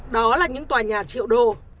đó là những tòa nhà triệu đô